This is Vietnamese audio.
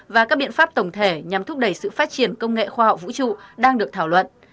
và các biện pháp tổng thể nhằm thúc đẩy sự phát triển công nghệ khoa học vũ trụ đang được thảo luận